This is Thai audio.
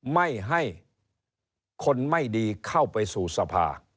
ไม่ให้คนไม่ดีเข้าไปสู่สภา